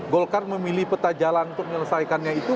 golkar memilih peta jalan untuk menyelesaikannya itu